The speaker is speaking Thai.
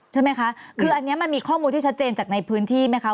ใช่ไหมคะคืออันนี้มันมีข้อมูลที่ชัดเจนจากในพื้นที่ไหมคะ